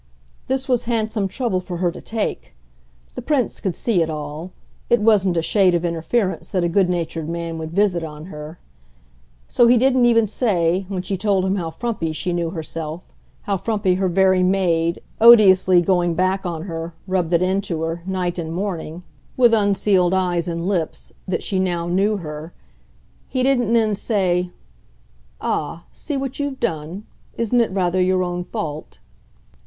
This was handsome trouble for her to take the Prince could see it all: it wasn't a shade of interference that a good natured man would visit on her. So he didn't even say, when she told him how frumpy she knew herself, how frumpy her very maid, odiously going back on her, rubbed it into her, night and morning, with unsealed eyes and lips, that she now knew her he didn't then say "Ah, see what you've done: isn't it rather your own fault?"